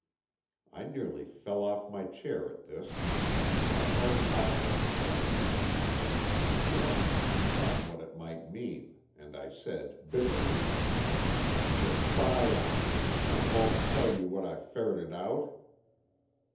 I nearly fell off my chair at this, and my heart bounded at the idea. Then, I thought what it might mean, and I said, bitterly: "To spy on her, and come home and tell you what I've ferreted out?"